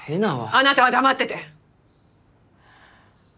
あなたは黙ってて！